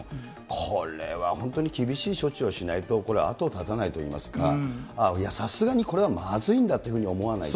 これは本当に厳しい処置をしないと、これは後を絶たないといいますか、さすがにこれはまずいんだというふうに思わないと。